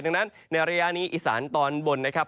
ดังนั้นในระยะนี้อีสานตอนบนนะครับ